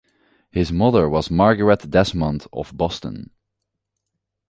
His mother was Margaret Desmond of Boston.